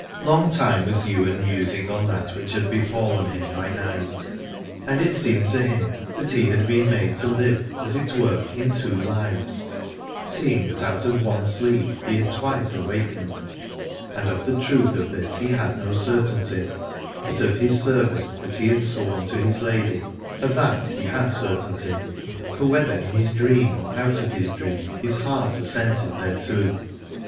Long time was Ywain musing on that which had befallen him by night, and it seemed to him that he had been made to live as it were in two lives, seeing that out of one sleep he had twice awaked. And of the truth of this he had no certainty, but of his service that he had sworn to his lady, of that he had certainty, for whether in his dream or out of his dream his heart assented thereto.